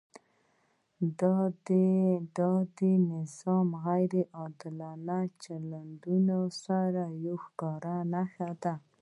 دا د نظام د غیر عادلانه چلندونو یوه ښکاره نښه ده.